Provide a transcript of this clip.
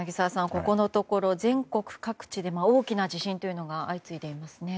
ここのところ全国各地で大きな地震が相次いでいますね。